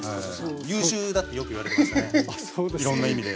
優秀だってよく言われてましたねいろんな意味で。